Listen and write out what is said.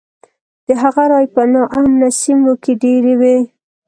د هغه رایې په نا امنه سیمو کې ډېرې وې.